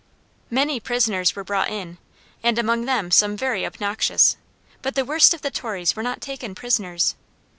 "Many prisoners were brought in, and among them some very obnoxious; but the worst of the Tories were not taken prisoners.